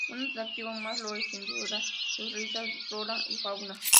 Un atractivo más, lo es sin duda, sus ricas flora y fauna.